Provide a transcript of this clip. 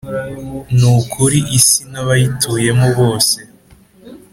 ni ukuri isi n’abayituyemo bose